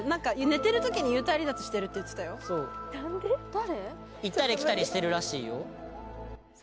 誰？